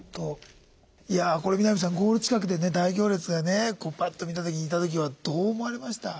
いやこれ南さんゴール近くで大行列がねパッと見た時にいた時はどう思われました？